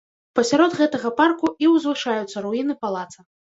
Пасярод гэтага парку і узвышаюцца руіны палаца.